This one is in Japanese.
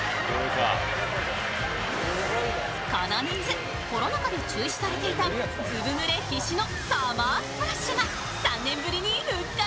この夏、コロナ禍で中止されていたずぶぬれ必至のサマースプラッシュが３年ぶりに復活。